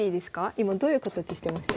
今どういう形してましたっけ？